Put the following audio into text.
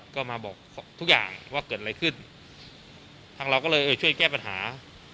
ก็มาบอกทุกอย่างว่าเกิดอะไรขึ้นทางเราก็เลยเออช่วยแก้ปัญหา